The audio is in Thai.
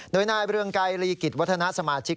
โดยนายเรืองไกรลีกิจวัฒนาสมาชิก